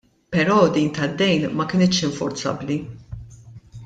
Però din tad-dejn ma kenitx infurzabbli.